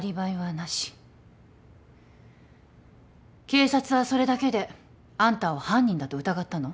警察はそれだけであんたを犯人だと疑ったの？